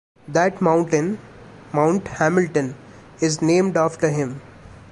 That mountain, Mount Hamilton, is named after him.